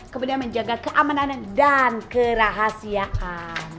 kemudian menjaga keamanan dan kerahasiaan